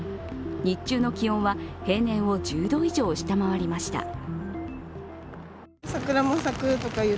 日中の気温は平年を１０度以上下回りました。